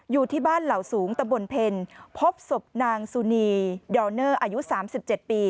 อยู่ที่บ้านเหล่าสูงตะบนเพ็ญพบศพนางสุนีดอลเนอร์อายุ๓๗ปี